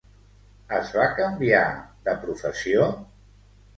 Es va canviar de professió?